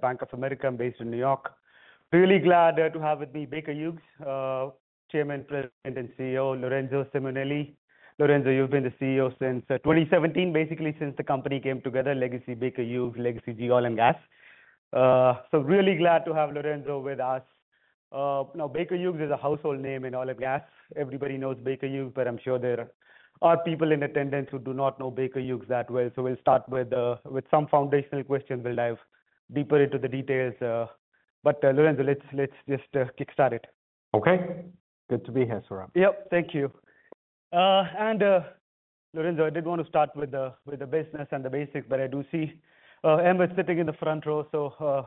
Bank of America, based in New York. Really glad to have with me Baker Hughes, Chairman, President, and CEO, Lorenzo Simonelli. Lorenzo, you've been the CEO since 2017, basically since the company came together: Legacy Baker Hughes, Legacy GE Oil & Gas. Really glad to have Lorenzo with us. Now, Baker Hughes is a household name in oil and gas. Everybody knows Baker Hughes, but I'm sure there are people in attendance who do not know Baker Hughes that well. We'll start with some foundational questions. We'll dive deeper into the details. Lorenzo, let's just kickstart it. Okay. Good to be here, Sven. Yep. Thank you. Lorenzo, I did want to start with the business and the basics, but I do see Ahmed sitting in the front row.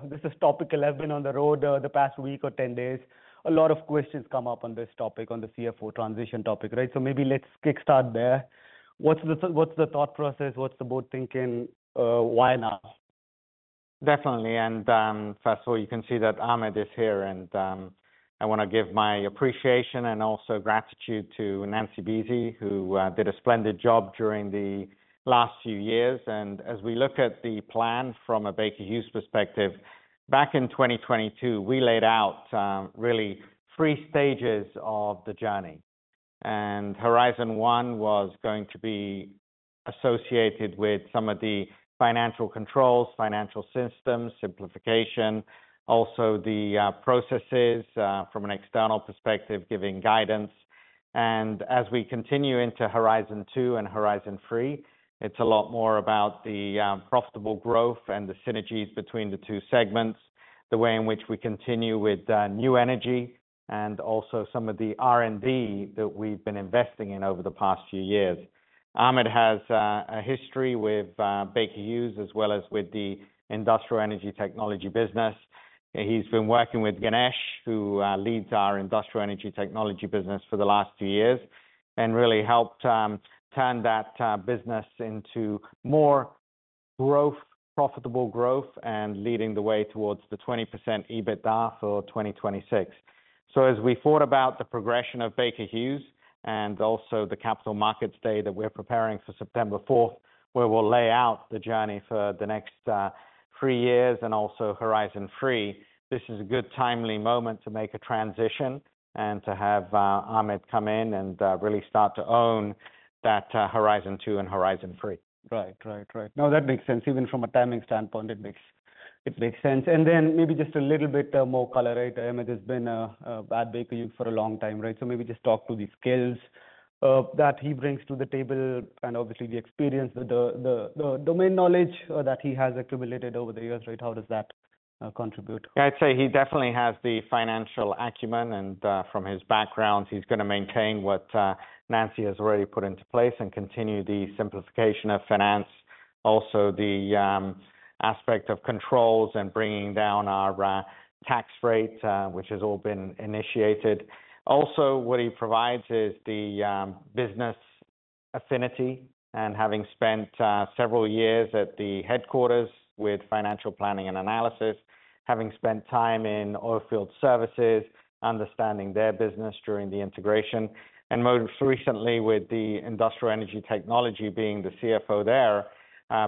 This is topical. I've been on the road the past week or 10 days. A lot of questions come up on this topic, on the CFO transition topic, right? Maybe let's kickstart there. What's the thought process? What's the board thinking? Why now? Definitely. First of all, you can see that Ahmed is here, and I want to give my appreciation and also gratitude to Nancy Buese, who did a splendid job during the last few years. As we look at the plan from a Baker Hughes perspective, back in 2022, we laid out really three stages of the journey. Horizon One was going to be associated with some of the financial controls, financial systems, simplification, also the processes from an external perspective, giving guidance. As we continue into Horizon Two and Horizon Three, it is a lot more about the profitable growth and the synergies between the two segments, the way in which we continue with New Energy and also some of the R&D that we have been investing in over the past few years. Ahmed has a history with Baker Hughes as well as with the Industrial & Energy Technology business. He's been working with Ganesh, who leads our Industrial & Energy Technology business for the last few years, and really helped turn that business into more growth, profitable growth, and leading the way towards the 20% EBITDA for 2026. As we thought about the progression of Baker Hughes and also the capital markets day that we're preparing for September 4th, where we'll lay out the journey for the next three years and also Horizon Three, this is a good timely moment to make a transition and to have Ahmed come in and really start to own that Horizon Two and Horizon Three. Right, right, right. No, that makes sense. Even from a timing standpoint, it makes sense. Maybe just a little bit more color, right? Ahmed has been at Baker Hughes for a long time, right? Maybe just talk to the skills that he brings to the table and obviously the experience, the domain knowledge that he has accumulated over the years, right? How does that contribute? I'd say he definitely has the financial acumen, and from his background, he's going to maintain what Nancy has already put into place and continue the simplification of finance, also the aspect of controls and bringing down our tax rate, which has all been initiated. Also, what he provides is the business affinity and having spent several years at the headquarters with financial planning and analysis, having spent time in oilfield services, understanding their business during the integration, and most recently with the Industrial & Energy Technology being the CFO there,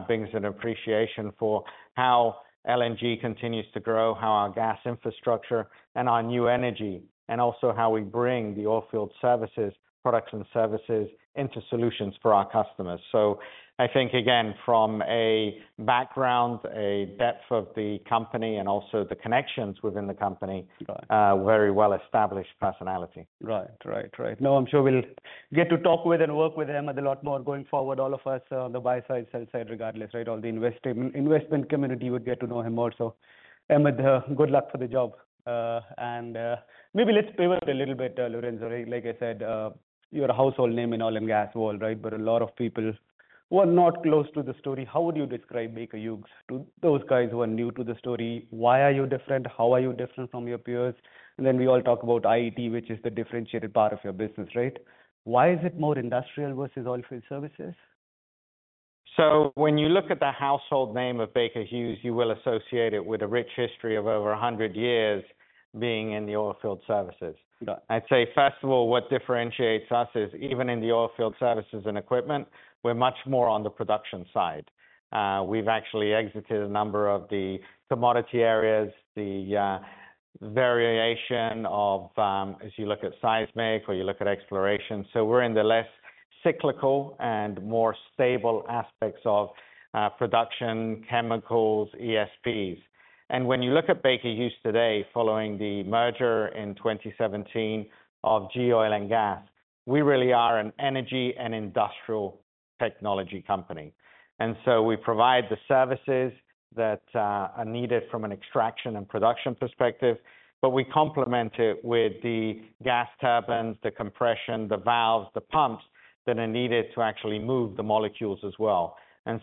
brings an appreciation for how LNG continues to grow, how our gas infrastructure and our New Energy, and also how we bring the oilfield services, products, and services into solutions for our customers. I think, again, from a background, a depth of the company, and also the connections within the company, very well-established personality. Right, right, right. No, I'm sure we'll get to talk with and work with Ahmed a lot more going forward, all of us on the buy side, sell side, regardless, right? All the investment community would get to know him also. Ahmed, good luck for the job. Maybe let's pivot a little bit, Lorenzo. Like I said, you're a household name in oil and gas world, right? A lot of people who are not close to the story, how would you describe Baker Hughes to those guys who are new to the story? Why are you different? How are you different from your peers? We all talk about IET, which is the differentiated part of your business, right? Why is it more industrial versus oilfield services? When you look at the household name of Baker Hughes, you will associate it with a rich history of over 100 years being in the oilfield services. I'd say, first of all, what differentiates us is even in the Oilfield Services & Equipment, we're much more on the production side. We've actually exited a number of the commodity areas, the variation of, as you look at seismic or you look at exploration. We're in the less cyclical and more stable aspects of production, chemicals, ESPs. When you look at Baker Hughes today, following the merger in 2017 of GE Oil & Gas, we really are an energy and industrial technology company. We provide the services that are needed from an extraction and production perspective, but we complement it with the gas turbines, the compression, the valves, the pumps that are needed to actually move the molecules as well.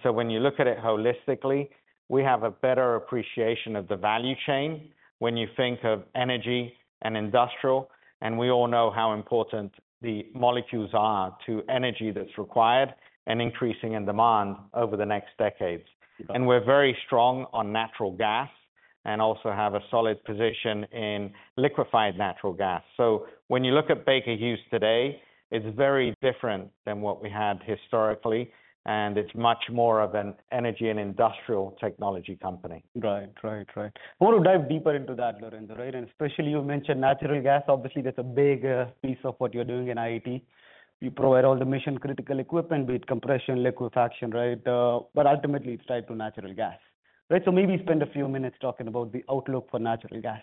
When you look at it holistically, we have a better appreciation of the value chain when you think of energy and industrial, and we all know how important the molecules are to energy that's required and increasing in demand over the next decades. We are very strong on natural gas and also have a solid position in liquefied natural gas. When you look at Baker Hughes today, it's very different than what we had historically, and it's much more of an energy and industrial technology company. Right, right, right. I want to dive deeper into that, Lorenzo, right? Especially you mentioned natural gas. Obviously, that's a big piece of what you're doing in IET. You provide all the mission-critical equipment with compression, liquefaction, right? Ultimately, it's tied to natural gas, right? Maybe spend a few minutes talking about the outlook for natural gas.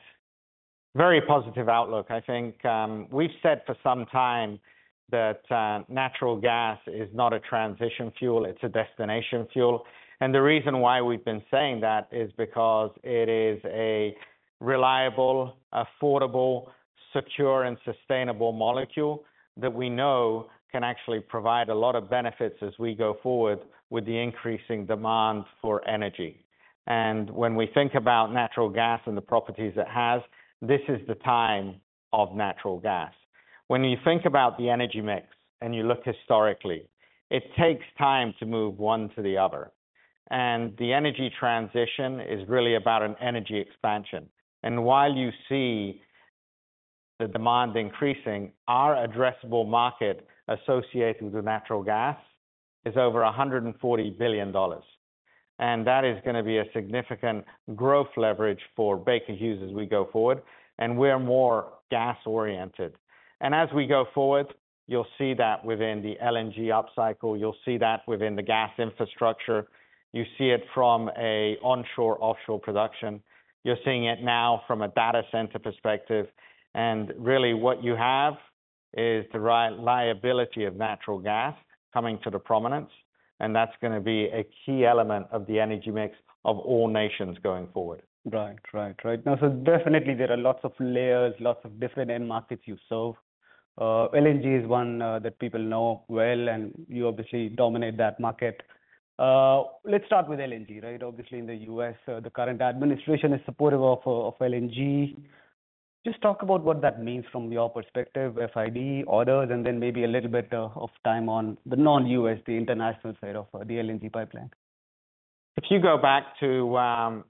Very positive outlook. I think we've said for some time that natural gas is not a transition fuel. It's a destination fuel. The reason why we've been saying that is because it is a reliable, affordable, secure, and sustainable molecule that we know can actually provide a lot of benefits as we go forward with the increasing demand for energy. When we think about natural gas and the properties it has, this is the time of natural gas. When you think about the energy mix and you look historically, it takes time to move one to the other. The energy transition is really about an energy expansion. While you see the demand increasing, our addressable market associated with natural gas is over $140 billion. That is going to be a significant growth leverage for Baker Hughes as we go forward. We're more gas-oriented. As we go forward, you'll see that within the LNG upcycle. You'll see that within the gas infrastructure. You see it from an onshore-offshore production. You're seeing it now from a data center perspective. Really, what you have is the reliability of natural gas coming to the prominence. That's going to be a key element of the energy mix of all nations going forward. Right, right, right. Now, definitely there are lots of layers, lots of different end markets you serve. LNG is one that people know well, and you obviously dominate that market. Let's start with LNG, right? Obviously, in the U.S., the current administration is supportive of LNG. Just talk about what that means from your perspective, FID, others, and then maybe a little bit of time on the non-U.S., the international side of the LNG pipeline. If you go back to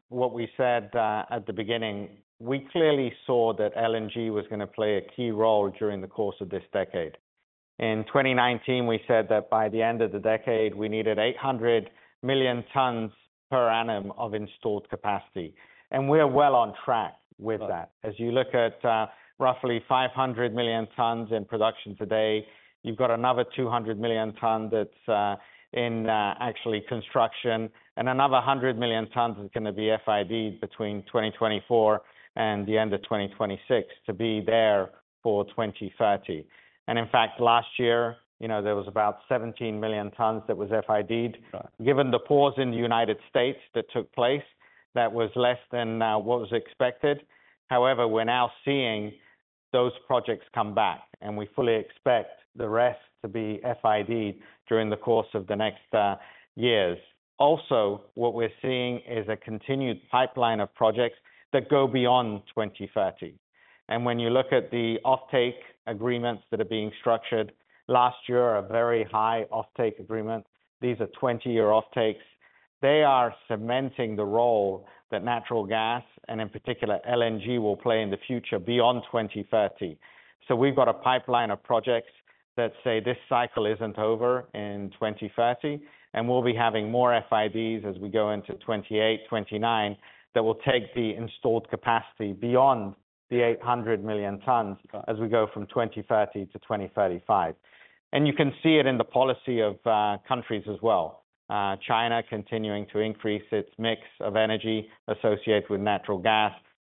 what we said at the beginning, we clearly saw that LNG was going to play a key role during the course of this decade. In 2019, we said that by the end of the decade, we needed 800 million tons per annum of installed capacity. We're well on track with that. As you look at roughly 500 million tons in production today, you've got another 200 million tons that's in actually construction, and another 100 million tons is going to be FID between 2024 and the end of 2026 to be there for 2030. In fact, last year, there was about 17 million tons that was FIDed. Given the pause in the United States that took place, that was less than what was expected. However, we're now seeing those projects come back, and we fully expect the rest to be FID during the course of the next years. Also, what we're seeing is a continued pipeline of projects that go beyond 2030. When you look at the offtake agreements that are being structured, last year, a very high offtake agreement. These are 20-year offtakes. They are cementing the role that natural gas, and in particular, LNG will play in the future beyond 2030. We've got a pipeline of projects that say this cycle isn't over in 2030, and we'll be having more FIDs as we go into 2028, 2029 that will take the installed capacity beyond the 800 million tons as we go from 2030 to 2035. You can see it in the policy of countries as well. China continuing to increase its mix of energy associated with natural gas.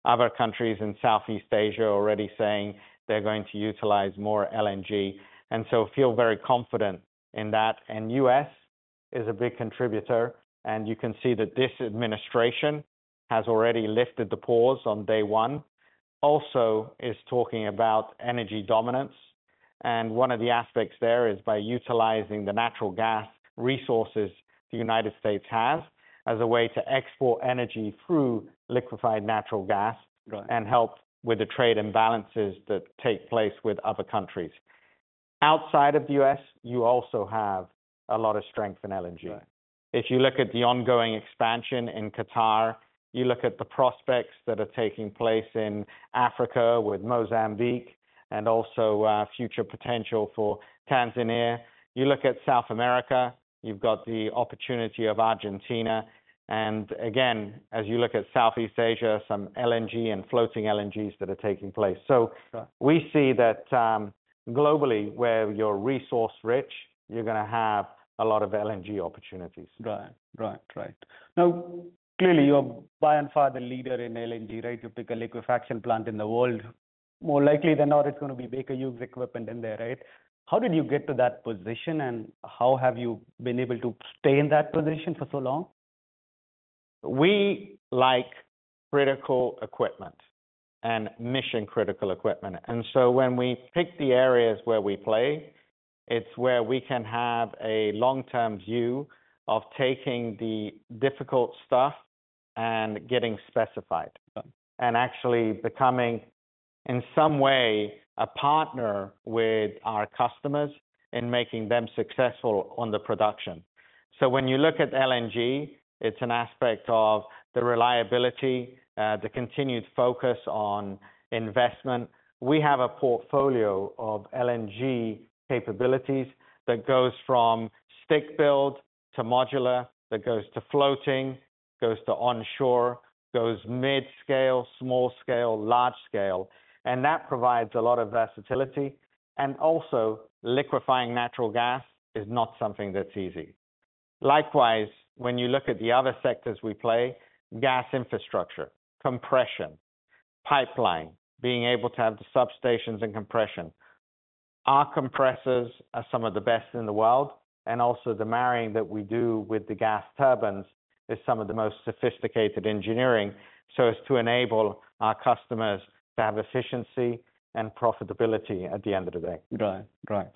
Other countries in Southeast Asia already saying they're going to utilize more LNG. I feel very confident in that. The U.S. is a big contributor. You can see that this administration has already lifted the pause on day one. It is also talking about energy dominance. One of the aspects there is by utilizing the natural gas resources the United States has as a way to export energy through liquefied natural gas and help with the trade imbalances that take place with other countries. Outside of the U.S., you also have a lot of strength in LNG. If you look at the ongoing expansion in Qatar, you look at the prospects that are taking place in Africa with Mozambique and also future potential for Tanzania. You look at South America, you've got the opportunity of Argentina. As you look at Southeast Asia, some LNG and floating LNGs that are taking place. We see that globally, where you're resource-rich, you're going to have a lot of LNG opportunities. Right, right, right. Now, clearly, you're by and far the leader in LNG, right? You pick a liquefaction plant in the world. More likely than not, it's going to be Baker Hughes equipment in there, right? How did you get to that position, and how have you been able to stay in that position for so long? We like critical equipment and mission-critical equipment. When we pick the areas where we play, it's where we can have a long-term view of taking the difficult stuff and getting specified and actually becoming in some way a partner with our customers in making them successful on the production. When you look at LNG, it's an aspect of the reliability, the continued focus on investment. We have a portfolio of LNG capabilities that goes from stick-build to modular, that goes to floating, goes to onshore, goes mid-scale, small-scale, large-scale. That provides a lot of versatility. Also, liquefying natural gas is not something that's easy. Likewise, when you look at the other sectors we play, gas infrastructure, compression, pipeline, being able to have the substations and compression. Our compressors are some of the best in the world. Also, the marrying that we do with the gas turbines is some of the most sophisticated engineering so as to enable our customers to have efficiency and profitability at the end of the day. Right, right.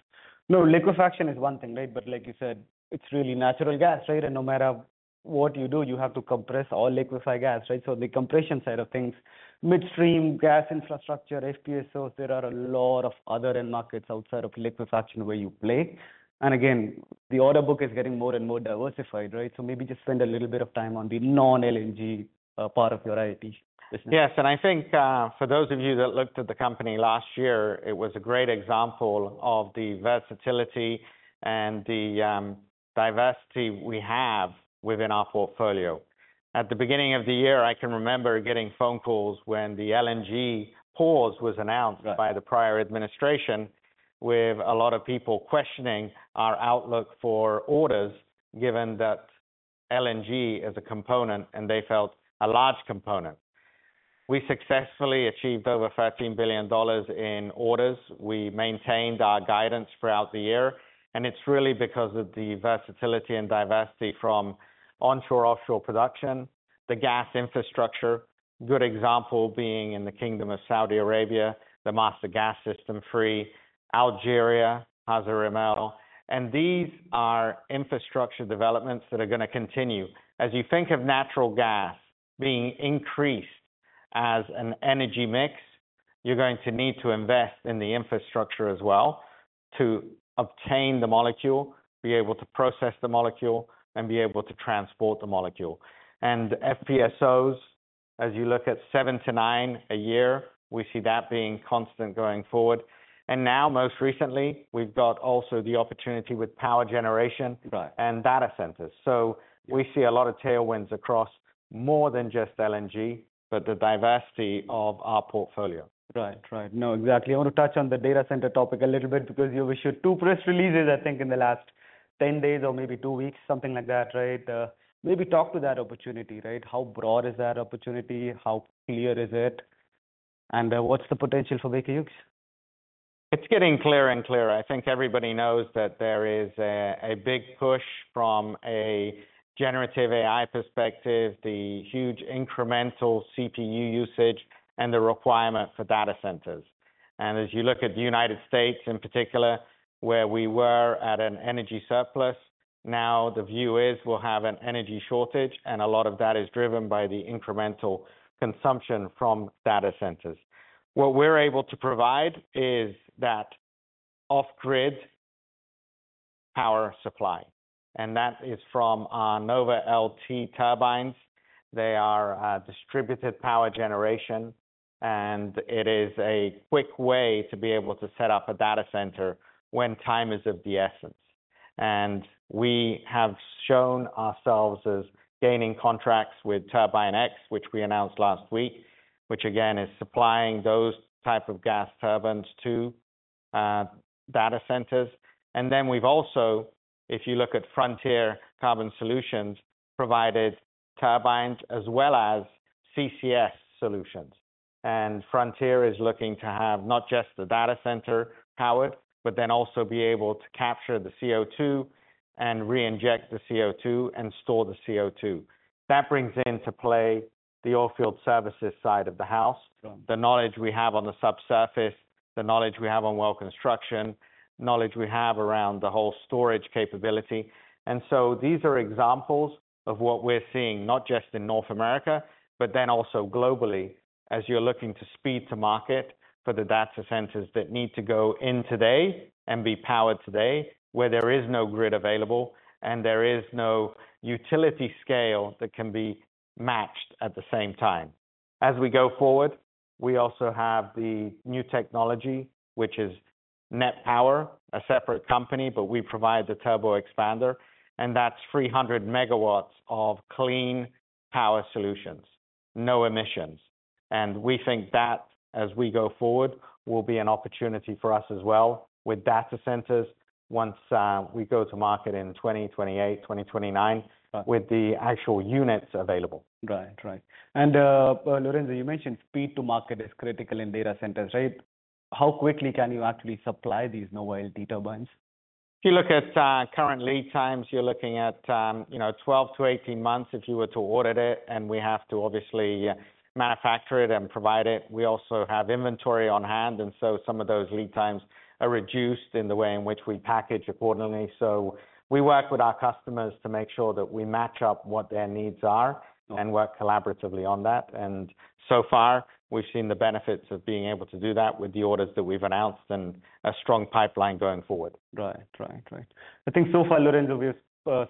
No, liquefaction is one thing, right? Like you said, it's really natural gas, right? No matter what you do, you have to compress all liquefied gas, right? The compression side of things, midstream gas infrastructure, FPSOs, there are a lot of other end markets outside of liquefaction where you play. Again, the order book is getting more and more diversified, right? Maybe just spend a little bit of time on the non-LNG part of your IET business. Yes. I think for those of you that looked at the company last year, it was a great example of the versatility and the diversity we have within our portfolio. At the beginning of the year, I can remember getting phone calls when the LNG pause was announced by the prior administration with a lot of people questioning our outlook for orders, given that LNG is a component and they felt a large component. We successfully achieved over $13 billion in orders. We maintained our guidance throughout the year. It is really because of the versatility and diversity from onshore, offshore production, the gas infrastructure, a good example being in the Kingdom of Saudi Arabia, the Master Gas System III, Algeria, Hassi R'Mel. These are infrastructure developments that are going to continue. As you think of natural gas being increased as an energy mix, you're going to need to invest in the infrastructure as well to obtain the molecule, be able to process the molecule, and be able to transport the molecule. FPSOs, as you look at seven to nine a year, we see that being constant going forward. Most recently, we've got also the opportunity with power generation and data centers. We see a lot of tailwinds across more than just LNG, but the diversity of our portfolio. Right, right. No, exactly. I want to touch on the data center topic a little bit because you issued two press releases, I think, in the last 10 days or maybe two weeks, something like that, right? Maybe talk to that opportunity, right? How broad is that opportunity? How clear is it? And what's the potential for Baker Hughes? It's getting clearer and clearer. I think everybody knows that there is a big push from a generative AI perspective, the huge incremental CPU usage, and the requirement for data centers. As you look at the United States in particular, where we were at an energy surplus, now the view is we'll have an energy shortage, and a lot of that is driven by the incremental consumption from data centers. What we're able to provide is that off-grid power supply. That is from our NovaLT Turbines. They are distributed power generation, and it is a quick way to be able to set up a data center when time is of the essence. We have shown ourselves as gaining contracts with TURBINE-X, which we announced last week, which again is supplying those types of gas turbines to data centers. We have also, if you look at Frontier Carbon Solutions, provided turbines as well as CCS solutions. Frontier is looking to have not just the data center powered, but then also be able to capture the CO2 and re-inject the CO2 and store the CO2. That brings into play the oilfield services side of the house, the knowledge we have on the subsurface, the knowledge we have on well construction, knowledge we have around the whole storage capability. These are examples of what we're seeing, not just in North America, but also globally as you're looking to speed to market for the data centers that need to go in today and be powered today where there is no grid available and there is no utility scale that can be matched at the same time. As we go forward, we also have the new technology, which is NET Power, a separate company, but we provide the turbo expander, and that's 300 megawatts of clean power solutions, no emissions. We think that as we go forward, will be an opportunity for us as well with data centers once we go to market in 2028, 2029 with the actual units available. Right, right. Lorenzo, you mentioned speed to market is critical in data centers, right? How quickly can you actually supply these NovaLT turbines? If you look at current lead times, you're looking at 12-18 months if you were to order it, and we have to obviously manufacture it and provide it. We also have inventory on hand, and some of those lead times are reduced in the way in which we package accordingly. We work with our customers to make sure that we match up what their needs are and work collaboratively on that. So far, we've seen the benefits of being able to do that with the orders that we've announced and a strong pipeline going forward. Right, right, right. I think so far, Lorenzo, we have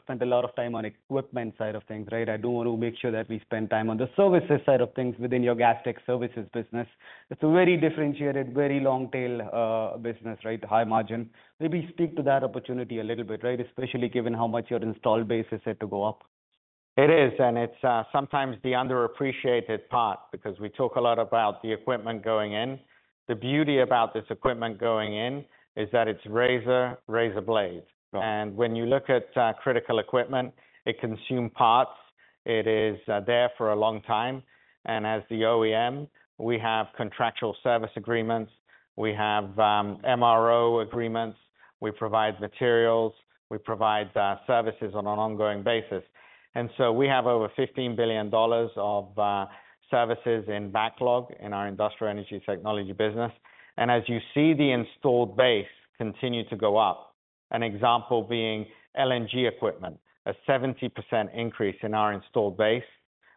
spent a lot of time on equipment side of things, right? I do want to make sure that we spend time on the services side of things within your Gas Technology Services business. It's a very differentiated, very long-tail business, right? High margin. Maybe speak to that opportunity a little bit, right? Especially given how much your install base is set to go up. It is, and it's sometimes the underappreciated part because we talk a lot about the equipment going in. The beauty about this equipment going in is that it's razor, razor blade. When you look at critical equipment, it consumes parts. It is there for a long time. As the OEM, we have contractual service agreements. We have MRO agreements. We provide materials. We provide services on an ongoing basis. We have over $15 billion of services in backlog in our Industrial & Energy Technology business. As you see the installed base continue to go up, an example being LNG equipment, a 70% increase in our installed base.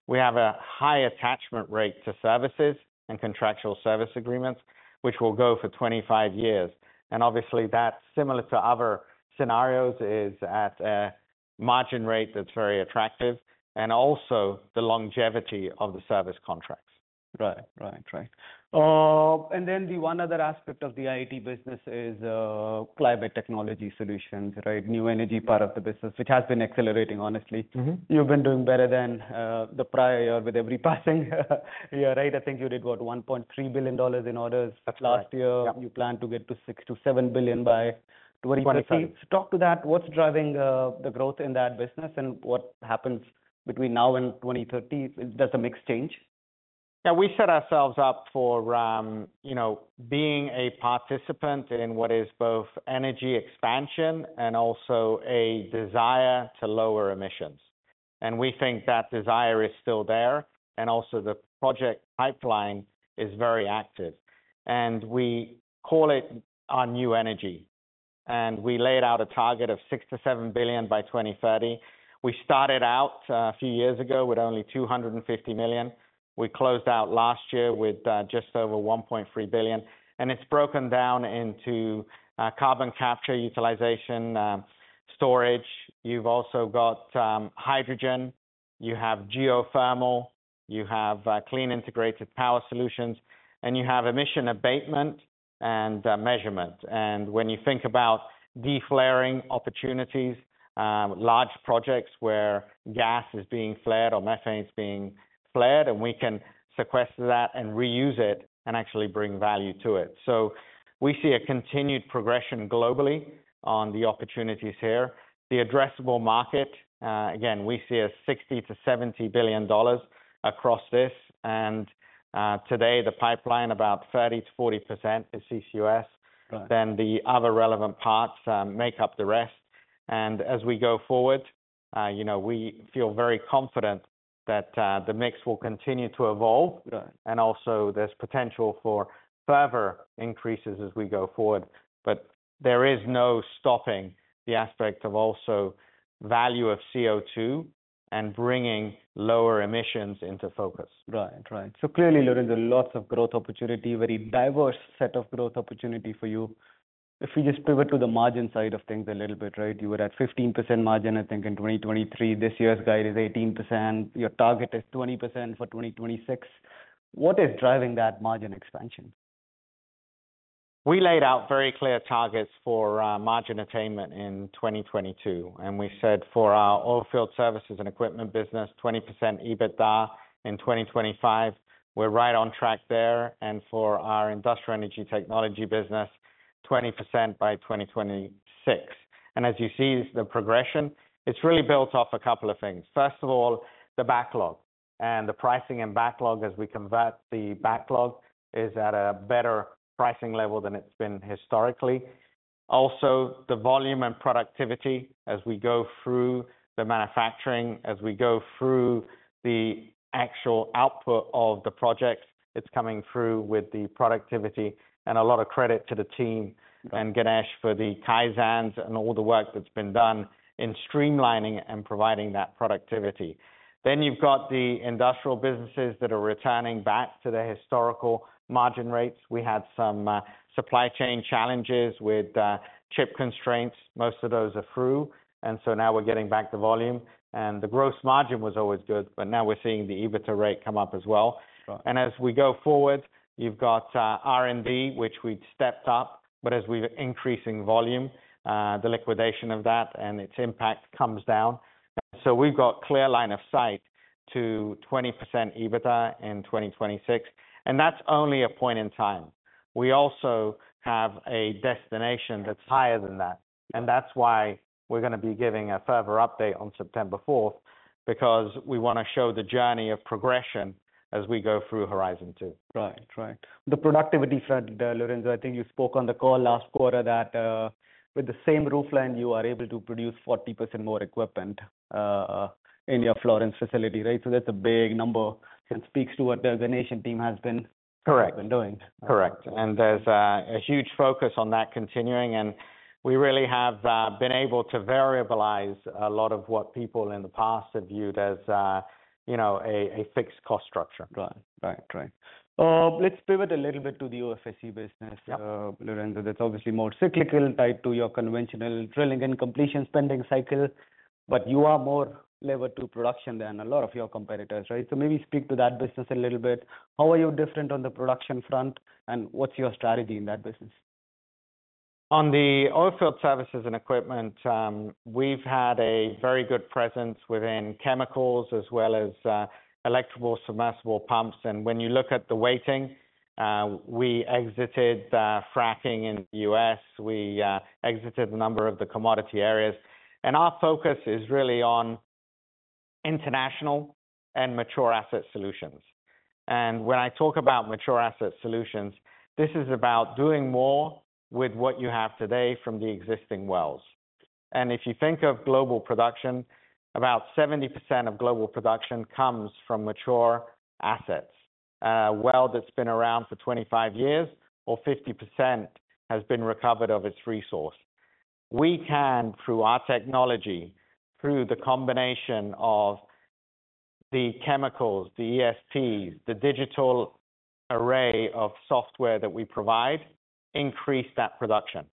We have a high attachment rate to services and contractual service agreements, which will go for 25 years. Obviously, that's similar to other scenarios, is at a margin rate that's very attractive and also the longevity of the service contracts. Right, right, right. The one other aspect of the IET business is Climate Technology Solutions, right? New Energy part of the business, which has been accelerating, honestly. You've been doing better than the prior year with every passing year, right? I think you did what, $1.3 billion in orders last year. You plan to get to $6-7 billion by 2023. Talk to that. What's driving the growth in that business and what happens between now and 2030? Does the mix change? Yeah, we set ourselves up for being a participant in what is both energy expansion and also a desire to lower emissions. We think that desire is still there. Also, the project pipeline is very active. We call it our New Energy. We laid out a target of $6 billion-$7 billion by 2030. We started out a few years ago with only $250 million. We closed out last year with just over $1.3 billion. It is broken down into carbon capture, utilization, storage. You have also got hydrogen. You have geothermal. You have clean integrated power solutions. You have emission abatement and measurement. When you think about deflaring opportunities, large projects where gas is being flared or methane is being flared, we can sequester that and reuse it and actually bring value to it. We see a continued progression globally on the opportunities here. The addressable market, again, we see a $60 billion-$70 billion across this. Today, the pipeline, about 30%-40% is CCUS. The other relevant parts make up the rest. As we go forward, you know we feel very confident that the mix will continue to evolve. Also, there is potential for further increases as we go forward. There is no stopping the aspect of also value of CO2 and bringing lower emissions into focus. Right, right. Clearly, Lorenzo, lots of growth opportunity, very diverse set of growth opportunity for you. If we just pivot to the margin side of things a little bit, right? You were at 15% margin, I think, in 2023. This year's guide is 18%. Your target is 20% for 2026. What is driving that margin expansion? We laid out very clear targets for margin attainment in 2022. We said for our oilfield services and equipment business, 20% EBITDA in 2025. We're right on track there. For our Industrial & Energy Technology business, 20% by 2026. As you see the progression, it's really built off a couple of things. First of all, the backlog and the pricing and backlog as we convert the backlog is at a better pricing level than it's been historically. Also, the volume and productivity as we go through the manufacturing, as we go through the actual output of the projects, it's coming through with the productivity. A lot of credit to the team and Ganesh for the Kaizens and all the work that's been done in streamlining and providing that productivity. You have the industrial businesses that are returning back to their historical margin rates. We had some supply chain challenges with chip constraints. Most of those are through. Now we're getting back the volume. The gross margin was always good, but now we're seeing the EBITDA rate come up as well. As we go forward, you've got R&D, which we've stepped up, but as we're increasing volume, the liquidation of that and its impact comes down. We've got clear line of sight to 20% EBITDA in 2026. That's only a point in time. We also have a destination that's higher than that. That's why we're going to be giving a further update on September 4th because we want to show the journey of progression as we go through Horizon Two. Right, right. The productivity front, Lorenzo, I think you spoke on the call last quarter that with the same roofline, you are able to produce 40% more equipment in your Florence facility, right? That is a big number and speaks to what the Ganesh and team have been doing. Correct. Correct. There is a huge focus on that continuing. We really have been able to variabilize a lot of what people in the past have viewed as a fixed cost structure. Right, right, right. Let's pivot a little bit to the OFSE business, Lorenzo. That's obviously more cyclical tied to your conventional drilling and completion spending cycle, but you are more levered to production than a lot of your competitors, right? Maybe speak to that business a little bit. How are you different on the production front and what's your strategy in that business? On the oilfield services and equipment, we've had a very good presence within chemicals as well as electrical submersible pumps. When you look at the weighting, we exited fracking in the U.S. We exited a number of the commodity areas. Our focus is really on international and mature asset solutions. When I talk about mature asset solutions, this is about doing more with what you have today from the existing wells. If you think of global production, about 70% of global production comes from mature assets. Wells that have been around for 25 years or 50% has been recovered of its resource. We can, through our technology, through the combination of the chemicals, the ESPs, the digital array of software that we provide, increase that production.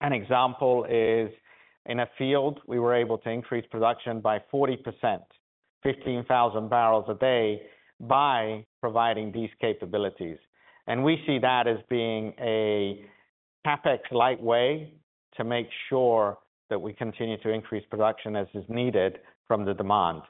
An example is in a field, we were able to increase production by 40%, 15,000 barrels a day by providing these capabilities. We see that as being a CapEx lightweight to make sure that we continue to increase production as is needed from the demand.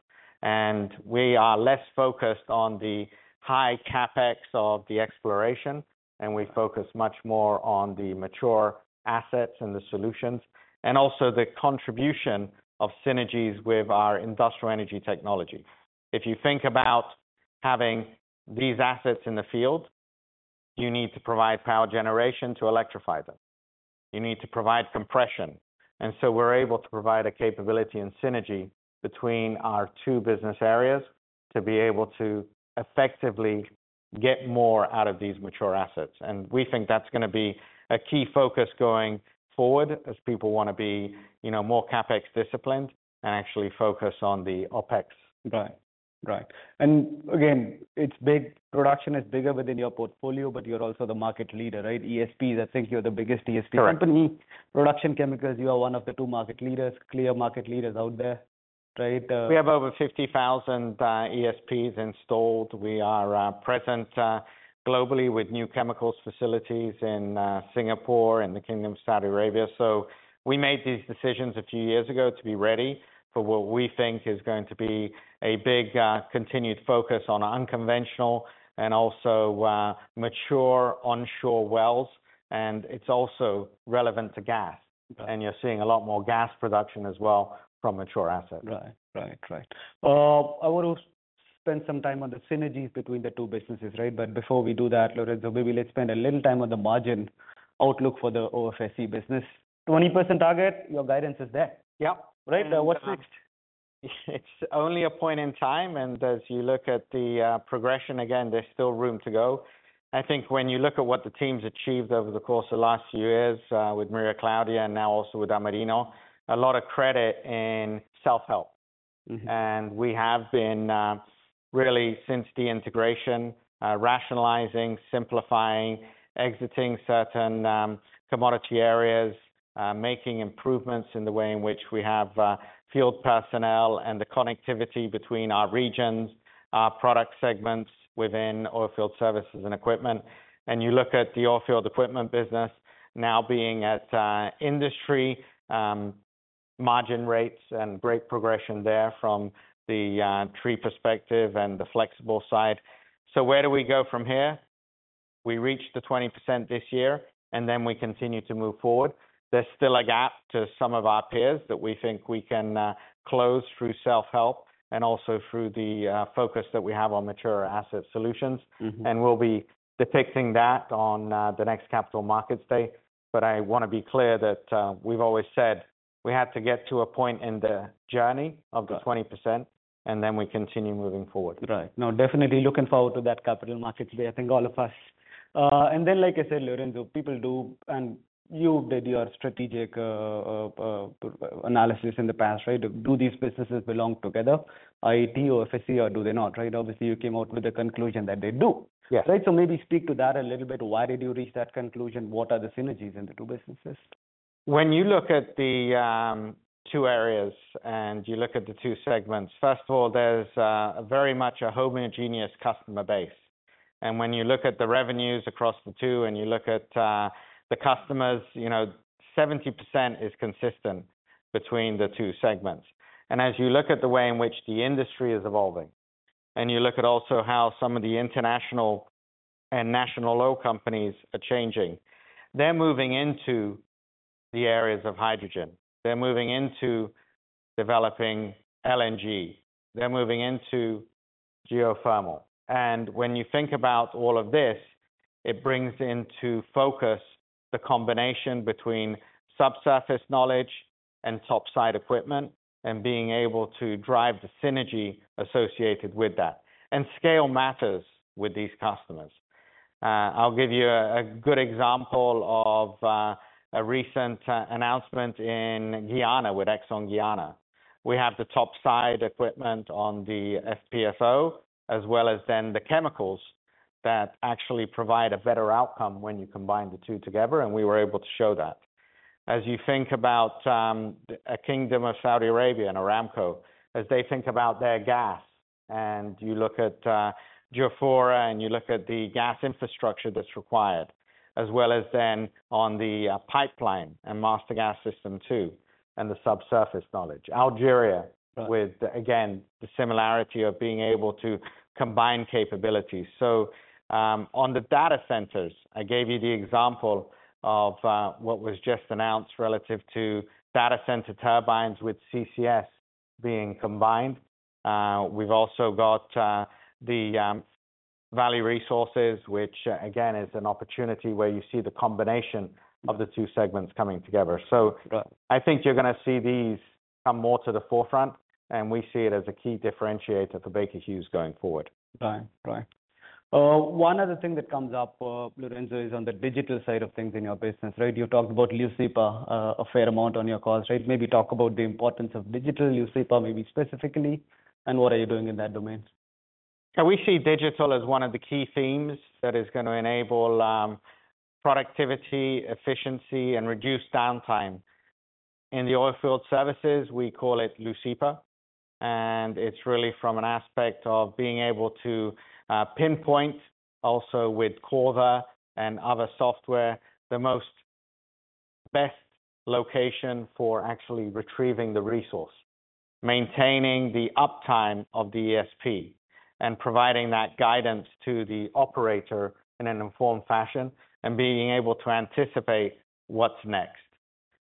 We are less focused on the high CapEx of the exploration, and we focus much more on the mature assets and the solutions and also the contribution of synergies with our Industrial & Energy Technology. If you think about having these assets in the field, you need to provide power generation to electrify them. You need to provide compression. We are able to provide a capability and synergy between our two business areas to be able to effectively get more out of these mature assets. We think that's going to be a key focus going forward as people want to be more CapEx disciplined and actually focus on the OpEx. Right, right. It's big production is bigger within your portfolio, but you're also the market leader, right? ESPs, I think you're the biggest ESP company. Production chemicals, you are one of the two market leaders, clear market leaders out there, right? We have over 50,000 ESPs installed. We are present globally with new chemicals facilities in Singapore and the Kingdom of Saudi Arabia. We made these decisions a few years ago to be ready for what we think is going to be a big continued focus on unconventional and also mature onshore wells. It is also relevant to gas. You are seeing a lot more gas production as well from mature assets. Right, right, right. I want to spend some time on the synergies between the two businesses, right? Before we do that, Lorenzo, maybe let's spend a little time on the margin outlook for the OFSE business. 20% target, your guidance is there. Yep. Right? What's next? It's only a point in time. As you look at the progression, again, there's still room to go. I think when you look at what the team's achieved over the course of the last few years with Maria Claudia and now also with Amerino, a lot of credit in self-help. We have been really since the integration, rationalizing, simplifying, exiting certain commodity areas, making improvements in the way in which we have field personnel and the connectivity between our regions, our product segments within oilfield services and equipment. You look at the oilfield equipment business now being at industry margin rates and great progression there from the tree perspective and the flexible side. Where do we go from here? We reached the 20% this year, and we continue to move forward. There's still a gap to some of our peers that we think we can close through self-help and also through the focus that we have on mature asset solutions. We'll be depicting that on the next Capital Markets Day. I want to be clear that we've always said we had to get to a point in the journey of the 20%, and then we continue moving forward. Right. No, definitely looking forward to that Capital Markets Day, I think all of us. Like I said, Lorenzo, people do, and you did your strategic analysis in the past, right? Do these businesses belong together, IET, OFSE, or do they not, right? Obviously, you came out with the conclusion that they do. Yes. Right? Maybe speak to that a little bit. Why did you reach that conclusion? What are the synergies in the two businesses? When you look at the two areas and you look at the two segments, first of all, there's very much a homogeneous customer base. When you look at the revenues across the two and you look at the customers, 70% is consistent between the two segments. As you look at the way in which the industry is evolving and you look at also how some of the international and national oil companies are changing, they're moving into the areas of hydrogen. They're moving into developing LNG. They're moving into geothermal. When you think about all of this, it brings into focus the combination between subsurface knowledge and topside equipment and being able to drive the synergy associated with that. Scale matters with these customers. I'll give you a good example of a recent announcement in Guyana with ExxonMobil. We have the topside equipment on the FPSO, as well as then the chemicals that actually provide a better outcome when you combine the two together. We were able to show that. As you think about a Kingdom of Saudi Arabia and Aramco, as they think about their gas, and you look at Jafurah and you look at the gas infrastructure that's required, as well as then on the pipeline and Master Gas System too, and the subsurface knowledge. Algeria with, again, the similarity of being able to combine capabilities. On the data centers, I gave you the example of what was just announced relative to data center turbines with CCS being combined. We've also got the value resources, which again is an opportunity where you see the combination of the two segments coming together. I think you're going to see these come more to the forefront. We see it as a key differentiator for Baker Hughes going forward. Right, right. One other thing that comes up, Lorenzo, is on the digital side of things in your business, right? You talked about Leucipa a fair amount on your calls, right? Maybe talk about the importance of digital Leucipa, maybe specifically, and what are you doing in that domain? Yeah, we see digital as one of the key themes that is going to enable productivity, efficiency, and reduce downtime. In the oilfield services, we call it Leucipa. And it's really from an aspect of being able to pinpoint also with Cordant and other software the most best location for actually retrieving the resource, maintaining the uptime of the ESP, and providing that guidance to the operator in an informed fashion and being able to anticipate what's next.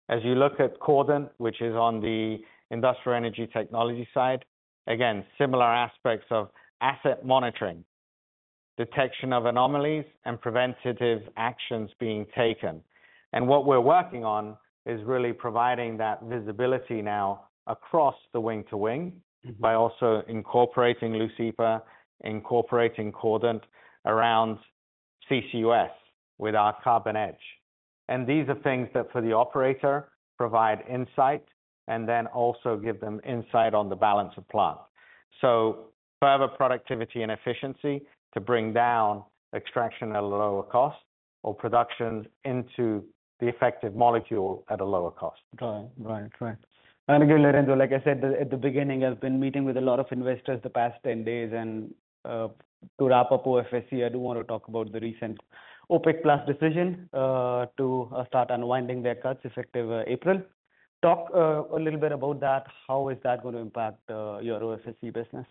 As you look at Cordant, which is on the Industrial & Energy Technology side, again, similar aspects of asset monitoring, detection of anomalies, and preventative actions being taken. What we're working on is really providing that visibility now across the wing to wing by also incorporating Leucipa, incorporating Cordant around CCUS with our CarbonEdge. These are things that for the operator provide insight and then also give them insight on the balance of plant. Further productivity and efficiency to bring down extraction at a lower cost or productions into the effective molecule at a lower cost. Right, right, right. Lorenzo, like I said at the beginning, I've been meeting with a lot of investors the past 10 days. To wrap up OFSE, I do want to talk about the recent OPEC Plus decision to start unwinding their cuts effective April. Talk a little bit about that. How is that going to impact your OFSE business?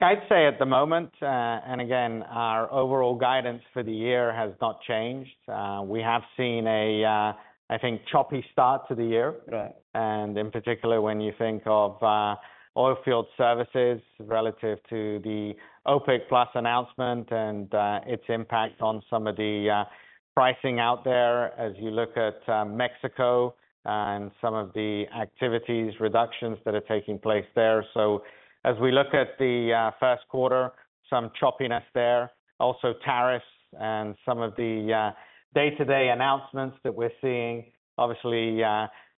I'd say at the moment, and again, our overall guidance for the year has not changed. We have seen a, I think, choppy start to the year. In particular, when you think of oilfield services relative to the OPEC Plus announcement and its impact on some of the pricing out there as you look at Mexico and some of the activities, reductions that are taking place there. As we look at the first quarter, some choppiness there. Also tariffs and some of the day-to-day announcements that we're seeing obviously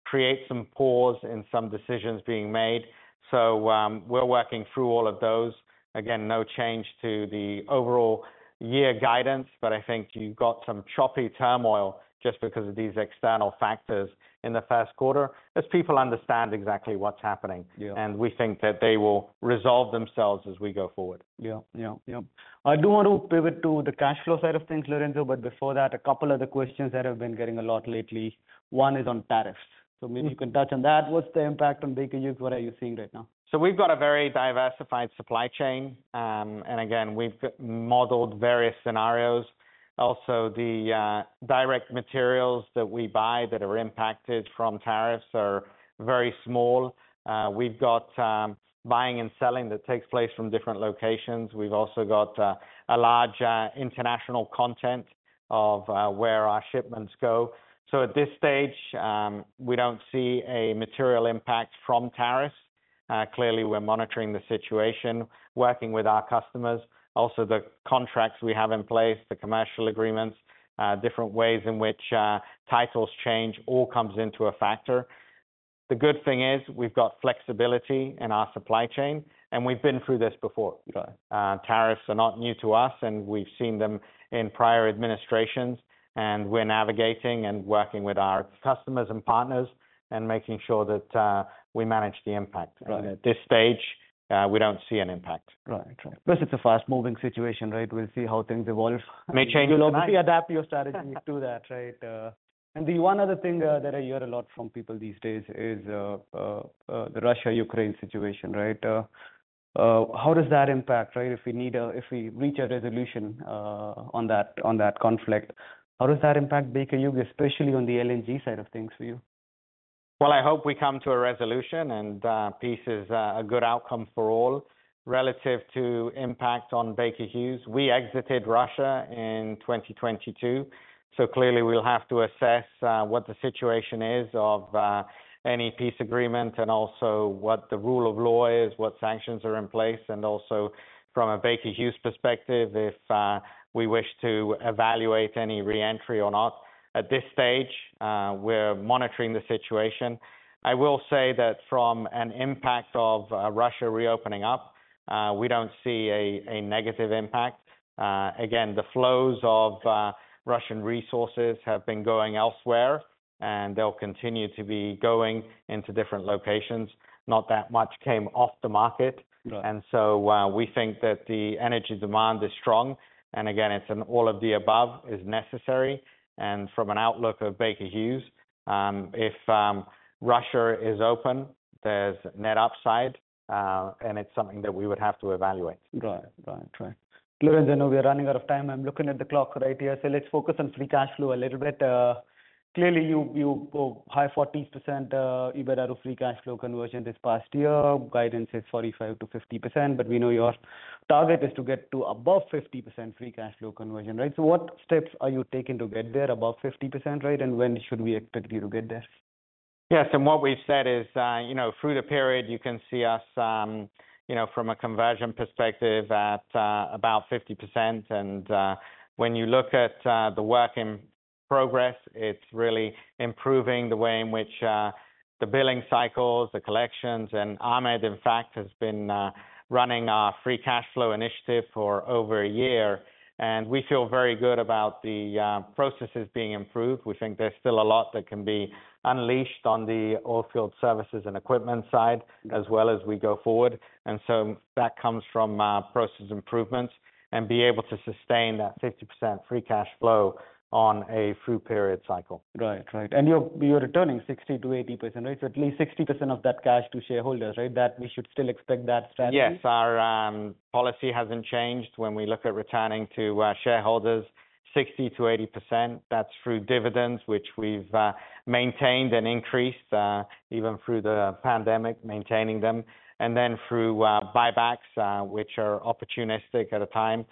create some pause in some decisions being made. We are working through all of those. Again, no change to the overall year guidance, but I think you've got some choppy turmoil just because of these external factors in the first quarter as people understand exactly what's happening. We think that they will resolve themselves as we go forward. Yeah, yeah, yeah. I do want to pivot to the cash flow side of things, Lorenzo, but before that, a couple of the questions that have been getting a lot lately. One is on tariffs. Maybe you can touch on that. What's the impact on Baker Hughes? What are you seeing right now? We have a very diversified supply chain. Again, we have modeled various scenarios. Also, the direct materials that we buy that are impacted from tariffs are very small. We have buying and selling that takes place from different locations. We also have a large international content of where our shipments go. At this stage, we do not see a material impact from tariffs. Clearly, we are monitoring the situation, working with our customers. Also, the contracts we have in place, the commercial agreements, different ways in which titles change, all comes into a factor. The good thing is we have flexibility in our supply chain, and we have been through this before. Tariffs are not new to us, and we have seen them in prior administrations. We are navigating and working with our customers and partners and making sure that we manage the impact. At this stage, we do not see an impact. Right, right. Plus, it's a fast-moving situation, right? We'll see how things evolve. May change. You'll obviously adapt your strategy to that, right? The one other thing that I hear a lot from people these days is the Russia-Ukraine situation, right? How does that impact, right? If we reach a resolution on that conflict, how does that impact Baker Hughes, especially on the LNG side of things for you? I hope we come to a resolution and peace is a good outcome for all relative to impact on Baker Hughes. We exited Russia in 2022. Clearly, we'll have to assess what the situation is of any peace agreement and also what the rule of law is, what sanctions are in place. Also from a Baker Hughes perspective, if we wish to evaluate any re-entry or not. At this stage, we're monitoring the situation. I will say that from an impact of Russia reopening up, we don't see a negative impact. Again, the flows of Russian resources have been going elsewhere, and they'll continue to be going into different locations. Not that much came off the market. We think that the energy demand is strong. Again, it's an all of the above is necessary. From an outlook of Baker Hughes, if Russia is open, there's net upside, and it's something that we would have to evaluate. Right, right, right. Lorenzo, I know we are running out of time. I'm looking at the clock right here. Let's focus on free cash flow a little bit. Clearly, you have 40% free cash flow conversion this past year. Guidance is 45%-50%, but we know your target is to get to above 50% free cash flow conversion, right? What steps are you taking to get there above 50%, right? When should we expect you to get there? Yes. What we've said is through the period, you can see us from a conversion perspective at about 50%. When you look at the work in progress, it's really improving the way in which the billing cycles, the collections. Ahmed, in fact, has been running our free cash flow initiative for over a year. We feel very good about the processes being improved. We think there's still a lot that can be unleashed on the oilfield services and equipment side as well as we go forward. That comes from process improvements and being able to sustain that 50% free cash flow on a through period cycle. Right, right. And you're returning 60%-80%, right? So at least 60% of that cash to shareholders, right? That we should still expect that strategy? Yes. Our policy hasn't changed. When we look at returning to shareholders, 60%-80%, that's through dividends, which we've maintained and increased even through the pandemic, maintaining them. Through buybacks, which are opportunistic at a time.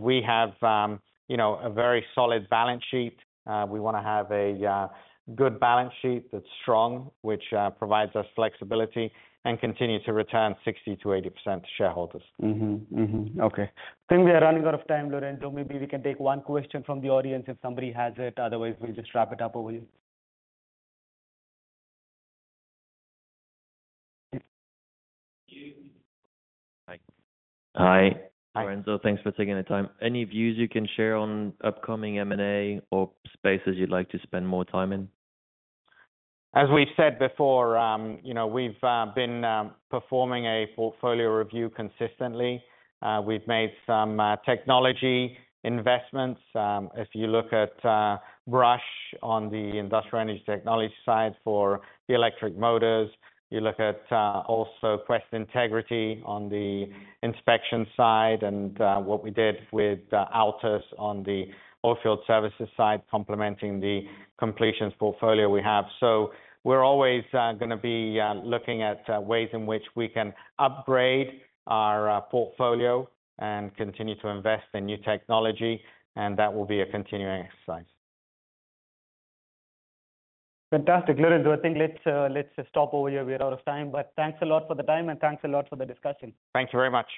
We have a very solid balance sheet. We want to have a good balance sheet that's strong, which provides us flexibility and continue to return 60%-80% to shareholders. Okay. I think we are running out of time, Lorenzo. Maybe we can take one question from the audience if somebody has it. Otherwise, we'll just wrap it up over here. Hi. Hi. Lorenzo, thanks for taking the time. Any views you can share on upcoming M&A or spaces you'd like to spend more time in? As we've said before, we've been performing a portfolio review consistently. We've made some technology investments. If you look at Brush on the Industrial & Energy Technology side for the electric motors, you look at also Quest Integrity on the inspection side and what we did with Altus on the oilfield services side, complementing the completions portfolio we have. We are always going to be looking at ways in which we can upgrade our portfolio and continue to invest in new technology. That will be a continuing exercise. Fantastic. Lorenzo, I think let's stop over here. We're out of time. Thanks a lot for the time and thanks a lot for the discussion. Thank you very much.